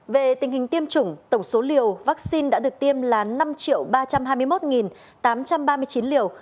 về tình hình tiêm chủng tổng số liều vaccine đã được tiêm là năm ba trăm hai mươi một tám trăm ba mươi chín liều